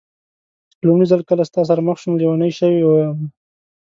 چې په لومړي ځل کله ستا سره مخ شوم، لېونۍ شوې وم.